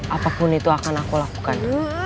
apapun itu akan aku lakukan